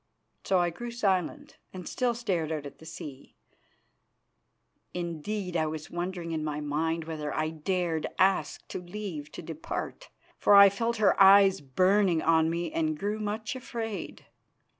So I grew silent and still stared out at the sea. Indeed, I was wondering in my mind whether I dared ask leave to depart, for I felt her eyes burning on me, and grew much afraid.